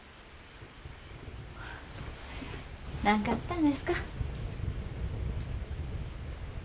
なんかあったんですか？